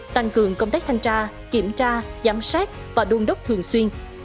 tăng cường công tác thanh tra kiểm tra giám sát và đôn đốc thường xuyên